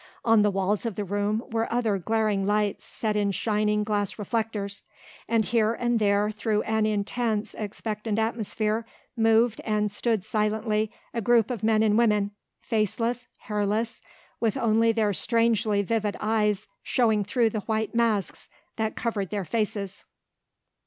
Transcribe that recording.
On the walls of the room were other glaring lights set in shining glass reflectors. And, here and there through an intense, expectant atmosphere, moved and stood silently a group of men and women, faceless, hairless, with only their strangely vivid eyes showing through the white masks that covered their faces.